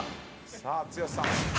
さあ剛さん。